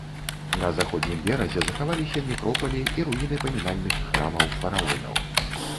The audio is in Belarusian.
На заходнім беразе захаваліся некропалі і руіны памінальных храмаў фараонаў.